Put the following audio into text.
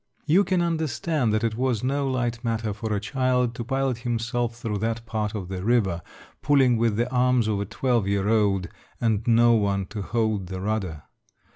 You can understand that it was no light matter for a child to pilot himself through that part of the river, pulling with the arms of a twelve year old, and no one to hold the rudder.